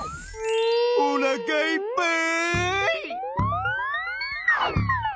おなかいっぱい！